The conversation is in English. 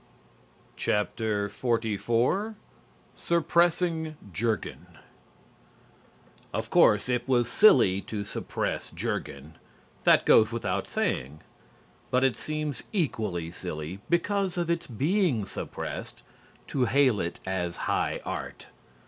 XLIV SUPPRESSING "JURGEN" Of course it was silly to suppress "Jurgen." That goes without saying. But it seems equally silly, because of its being suppressed, to hail it as high art.